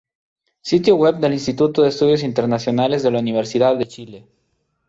Sitio Web del Instituto de Estudios Internacionales de la Universidad de Chile